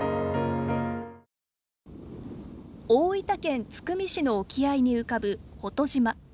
大分県津久見市の沖合に浮かぶ、保戸島。